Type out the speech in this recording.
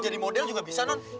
jadi model juga bisa non